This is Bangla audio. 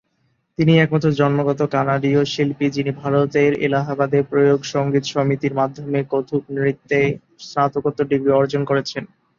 তিনিই একমাত্র জন্মগত কানাডীয় শিল্পী যিনি ভারতের এলাহাবাদের প্রয়াগ সংগীত সমিতির মাধ্যমে কত্থক নৃত্যে স্নাতকোত্তর ডিগ্রি অর্জন করেছেন।